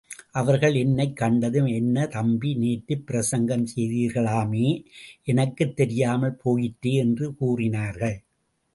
அவர்கள் என்னைக் கண்டதும் என்ன தம்பி, நேற்றுப் பிரசங்கம் செய்தீர்களாமே, எனக்குத் தெரியாமல் போயிற்றே என்று கூறினார்கள்.